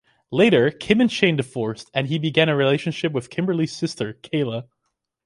Later, Kim and Shane divorced and he began a relationship with Kimberly's sister, Kayla.